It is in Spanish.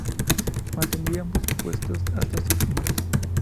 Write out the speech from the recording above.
Mantendría ambos puestos hasta su muerte.